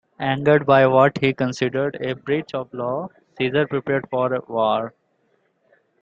Angered by what he considered a breach of law, Caesar prepared for war.